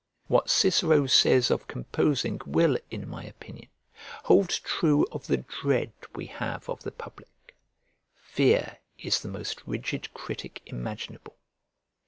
What Cicero says of composing will, in my opinion, hold true of the dread we have of the public: "Fear is the most rigid critic imaginable."